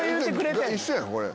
一緒やんこれ。